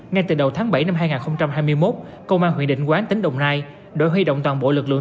ngay từ đầu tháng bảy năm hai nghìn hai mươi một công an huyện định quán tỉnh đồng nai đã huy động toàn bộ lực lượng